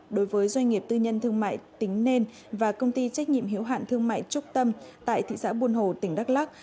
đối với doanh nghiệp tư nhân thương mại tính nên và công ty trách nhiệm hiểu hạn thương mại trúc tâm tại thị xã buôn hồ tỉnh đắk lắc